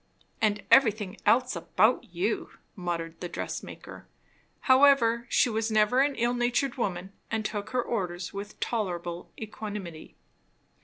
"And everything else about you! " muttered the dress maker. However, she was never an ill natured woman, and took her orders with tolerable equanimity.